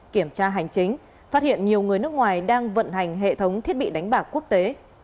kiểm tra hành chính phát hiện nhiều người nước ngoài đang vận hành hệ thống thiết bị đánh bạc quốc tế